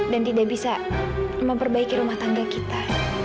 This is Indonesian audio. dan tidak bisa memperbaiki rumah tangga kita